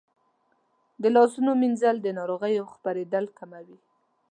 د لاسونو مینځل د ناروغیو خپرېدل کموي.